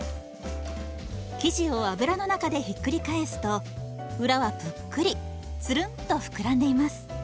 生地を油の中でひっくり返すと裏はぷっくりつるんとふくらんでいます。